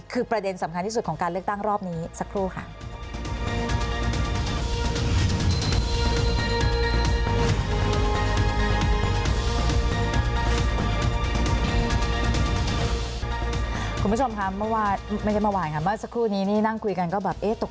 คุณผู้ชมครับมันก็ไม่ว่านครับสักครู่นี้นี่นั่งคุยกันก็แบบ